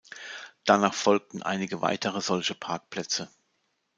Danach folgten einige weitere solche Parkplätze.